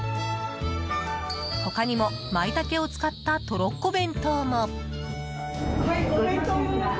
他にもマイタケを使ったトロッコ弁当も。